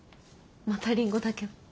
またリンゴだけど。